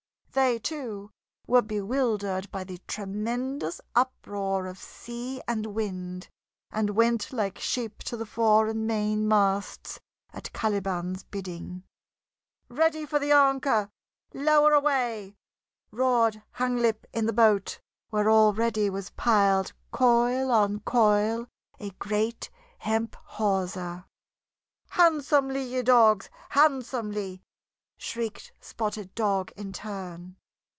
They, too, were bewildered by the tremendous uproar of sea and wind, and went like sheep to the fore and main masts at Caliban's bidding. "Ready for the anchor lower away!" roared Hanglip in the boat, where already was piled coil on coil a great hemp hawser. "Handsomely, ye dogs, handsomely!" shrieked Spotted Dog in turn.